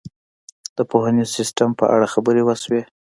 د پوهنیز سیستم په اړه خبرې وشوې.